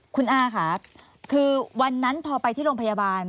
คุณอาค่ะคือวันนั้นพอไปที่โรงพยาบาล